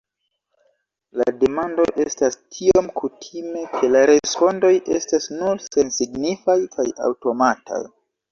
La demando estas tiom kutime, ke la respondoj estas nur sensignifaj kaj aŭtomataj.